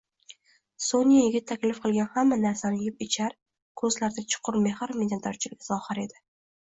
Sonya yigit taklif qilgan hamma narsani yeb-ichar, koʻzlarida chuqur mehr, minnatdorchilik zohir edi